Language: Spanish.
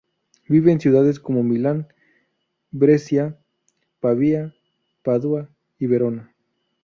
Viven en ciudades como Milán, Brescia, Pavía, Padua y Verona.